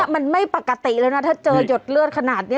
มันไม่ปกติแล้วนะถ้าเจอหยดเลือดขนาดนี้